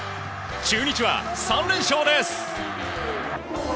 中日は３連勝です。